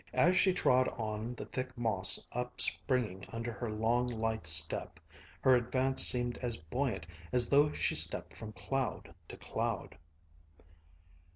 As she trod on the thick moss upspringing under her long, light step, her advance seemed as buoyant as though she stepped from cloud to cloud....